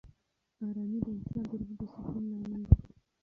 آرامي د انسان د روح د سکون لامل ده.